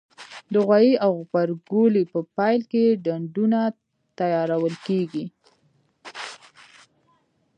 د غويي او غبرګولي په پیل کې ډنډونه تیارول کېږي.